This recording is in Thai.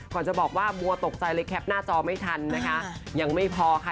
ก่อนจะบอกว่าบัวตกใจเลยแคปหน้าจอไม่ทันนะคะ